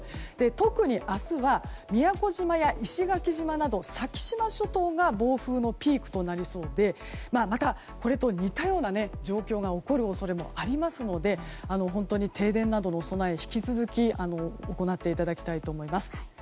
特に明日は宮古島や石垣島など、先島諸島が暴風のピークとなりそうでまた、これと似たような状況が起こる恐れもあるので本当に停電などの備えを引き続き行っていただきたいと思います。